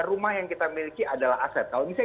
rumah yang kita miliki adalah aset kalau misalnya